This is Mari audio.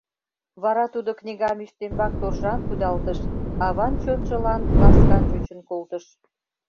Вара тудо книгам ӱстембак торжан кудалтыш, аван чонжылан ласкан чучын колтыш.